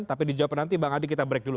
tapi dijawab nanti bang adi kita break dulu